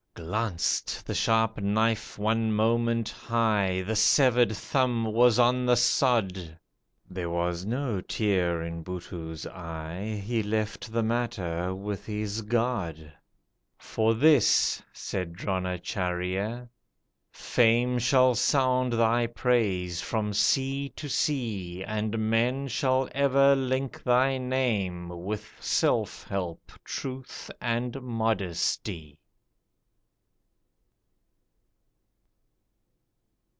Glanced the sharp knife one moment high, The severed thumb was on the sod, There was no tear in Buttoo's eye, He left the matter with his God. "For this," said Dronacharjya, "Fame Shall sound thy praise from sea to sea, And men shall ever link thy name With Self help, Truth, and Modesty."